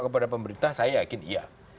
kepada pemerintah saya yakin iya